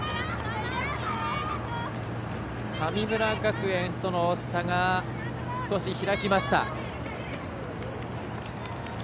神村学園との差が少し開きました。